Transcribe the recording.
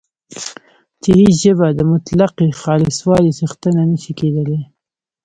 چې هیڅ ژبه د مطلقې خالصوالي څښتنه نه شي کېدلای